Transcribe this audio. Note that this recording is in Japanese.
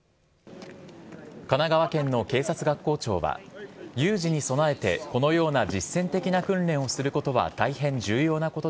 神奈川県の警察学校長は、有事に備えてこのような実践的な訓練をすることは大変重要なこと